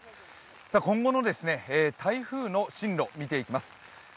今後の台風の進路を見ていきます。